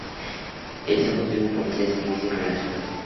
Está constituido por tres edificios relacionados.